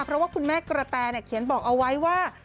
เพราะว่าคุณแม่กระแตเขียนบอกเอาไว้ว่า